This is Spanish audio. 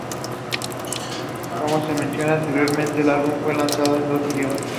Como se menciona anteriormente, el álbum fue lanzado en dos idiomas.